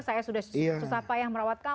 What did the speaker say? saya sudah susah payah merawat kamu